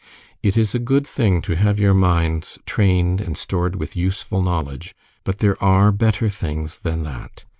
"It is a good thing to have your minds trained and stored with useful knowledge, but there are better things than that.